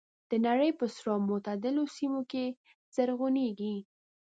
د نړۍ په سړو او معتدلو سیمو کې زرغونېږي.